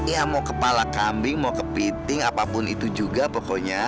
ya mau kepala kambing mau kepiting apapun itu juga pokoknya